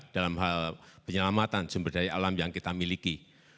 dalam hal penyelamatan sumber daya alam yang kita miliki